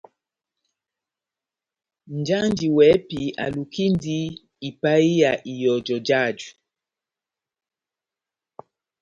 Nʼjanji wɛ́hɛ́pi alukindi ipahiya ihɔjɔ jáju.